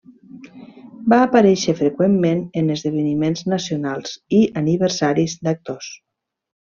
Va aparèixer freqüentment en esdeveniments nacionals i aniversaris d'actors.